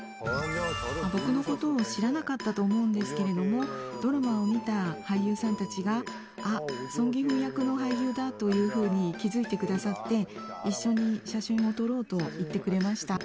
僕のことを知らなかったと思うんですけれども、ドラマを見た俳優さんたちが、あっ、ソン・ギフン役の俳優だというふうに気付いてくださって、一緒に写真を撮ろうと言ってくれました。